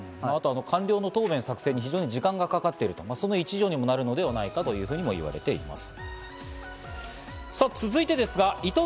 あと官僚の答弁作成に時間がかかってるので、その一助になるのではないかといわれています。